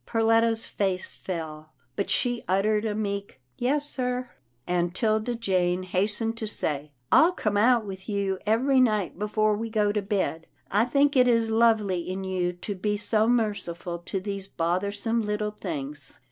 Perletta's face fell, but she uttered a meek, " Yes, sir," and 'Tilda Jane hastened to say, " I'll come out with you every night before we go to bed. I think it is lovely in you to be so merciful to these bothersome little things."